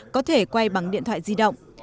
có thể quay bằng điện thoại di động